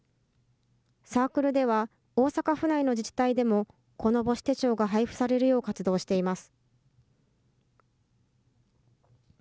サークルでは、大阪府内の自治体でも、この母子手帳が配布されるよう活動しています。